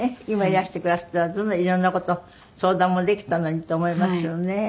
今いらしてくだすったらいろんな事相談もできたのにと思いますよね。